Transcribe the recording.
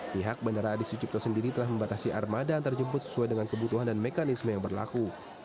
pihak bandara adi sucipto sendiri telah membatasi armada antarjemput sesuai dengan kebutuhan dan mekanisme yang berlaku